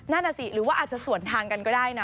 นั่นน่ะสิหรือว่าอาจจะส่วนทางกันก็ได้นะ